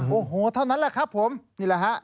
โอ้โหเท่านั้นแหละครับผมนี่แหละฮะ